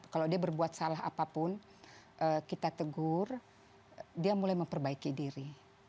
kalau dia berbuat salah apapun kita tegur dia mulai memperbaiki diri